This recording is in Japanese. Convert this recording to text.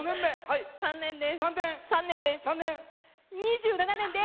３年です。